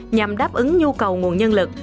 nhằm đáp ứng nhu cầu nguồn nhân lực